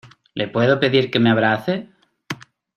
¿ le puedo pedir que me abrace?